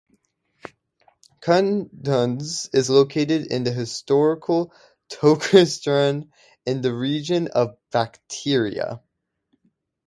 Kunduz is located in the historical Tokharistan in the region of Bactria.